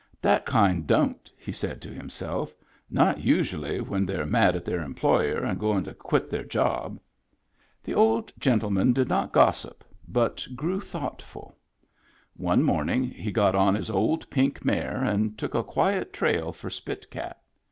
" That Digitized by Google SPIT CAT CREEK 75 kind don't," he said to himself ;" not usually when they're mad at their employer and goin' to quit their job." The old gentleman did not gossip, but grew thoughtful. One morning he got on his old pink mare, and took a quiet trail for Spit Cat.